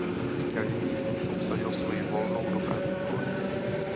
Každý z nich obsadil "svoji" volnou dopravní kolej.